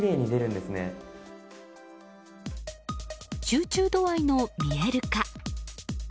集中度合いの見える化。